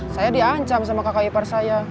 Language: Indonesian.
saya diancam sama kakak ipar saya